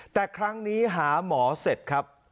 แต่ครั้งนี้หาหมอเสร็จครับ